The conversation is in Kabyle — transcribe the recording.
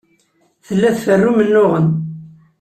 Tella tferru imennuɣen.